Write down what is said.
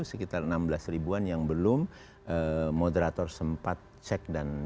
sekitar enam belas ribuan yang belum moderator sempat cek dan dimasukkan ke kami